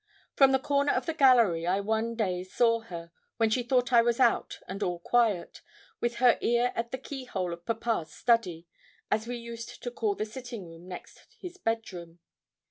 From the corner of the gallery I one day saw her, when she thought I was out and all quiet, with her ear at the keyhole of papa's study, as we used to call the sitting room next his bed room.